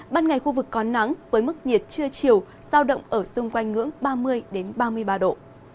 ban ngày khu vực có nắng với mức nhiệt trưa chiều giao động ở xung quanh ngưỡng ba mươi ba mươi ba độ